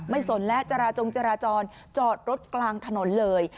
สนและจราจงจราจรจอดรถกลางถนนเลย